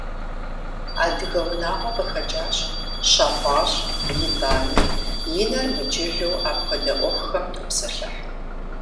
Адыгэ унагъуэ къыхэкӀащ, щапӀащ, итӀани, и нэр мыджылу апхуэдэ Ӏуэхухэм топсэлъыхь.